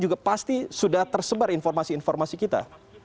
juga pasti sudah tersebar informasi informasi kita